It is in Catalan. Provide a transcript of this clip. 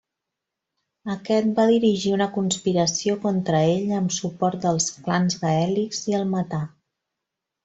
Aquest va dirigir una conspiració contra ell amb suport dels clans gaèlics i el matà.